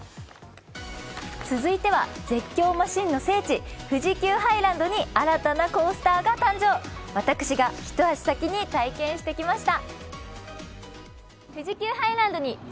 続いては絶叫マシンの聖地富士急ハイランドに新たなコースターが誕生、私が一足先に体験してきました。